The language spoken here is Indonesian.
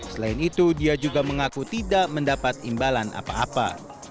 selain itu dia juga mengaku tidak mendapat imbalan apa apa